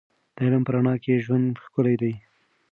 د علم په رڼا کې ژوند ښکلی دی.